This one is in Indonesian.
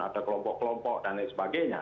ada kelompok kelompok dan lain sebagainya